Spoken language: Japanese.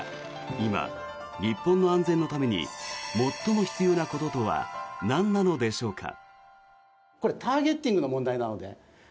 今、日本の安全のために最も必要なこととはなんなのでしょうか。